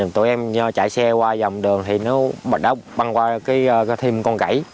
tội em chạy xe qua vòng đường thì nó băng qua thêm con gãy